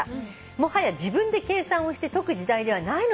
「もはや自分で計算をして解く時代ではないのです」